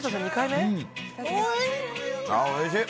おいしい！